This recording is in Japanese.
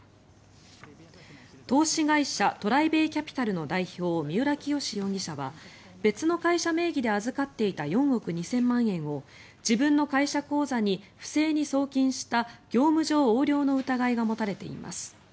投資会社ＴＲＩＢＡＹＣＡＰＩＴＡＬの代表、三浦清志容疑者は別の会社名義で預かっていた４億２０００万円を自分の会社口座に不正に送金した業務上横領の疑いが持たれています。